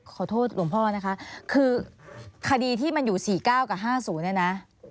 ขอโทษหลวงพ่อนะคะคือคดีที่มันอยู่๔๙กับ๕๐เนี่ยนะ